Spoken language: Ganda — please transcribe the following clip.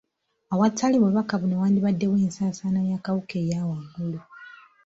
Awatali bubaka buno, wandibaddewo ensaasaana y'akawuka eya waggulu.